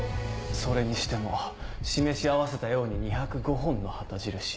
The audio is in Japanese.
それにしても示し合わせたように２０５本の旗印。